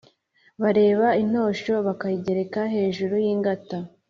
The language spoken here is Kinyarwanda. Bareba intosho bakayigereka hejuru y’ingata,